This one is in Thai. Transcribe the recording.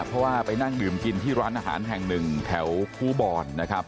เพราะว่าไปนั่งดื่มกินที่ร้านอาหารแห่งหนึ่งแถวครูบอลนะครับ